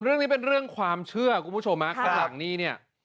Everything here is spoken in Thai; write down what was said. เรื่องนี้เป็นเรื่องความเชื่อคุณผู้ชมฮะข้างหลังนี้เนี่ย